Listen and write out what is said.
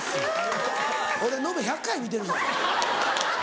俺延べ１００回見てるぞ。